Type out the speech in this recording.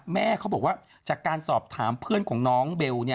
แม่เขาบอกว่าจากการสอบถามเพื่อนของน้องเบล